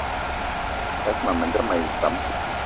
Yas ma menda mayi pam